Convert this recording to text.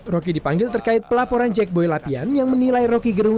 roky dipanggil terkait pelaporan jack boy lapian yang menilai roky gerung